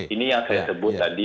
ini yang saya sebut tadi